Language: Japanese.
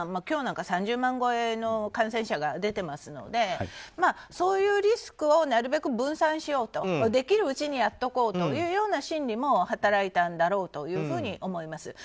今日なんか３０万超えの感染者が出ていますのでそういうリスクをなるべく分散しようとできるうちにやっておこうというような心理も働いたんだろうと思います。